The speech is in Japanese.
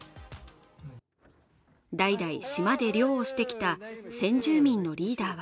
代々島で漁をしてきた先住民のリーダーは